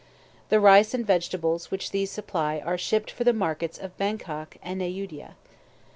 The rice and vegetables which these supply are shipped for the markets of Bangkok and Ayudia.